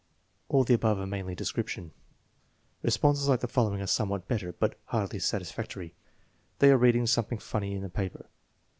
(All the above are mainly description.) Responses like the following are somewhat better, but hardly satisfactory: "They are reading something funny in the paper."